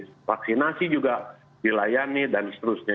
dan juga untuk memiliki kontinasi juga dilayani dan seterusnya